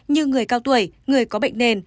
như người cao tuổi người có bệnh nền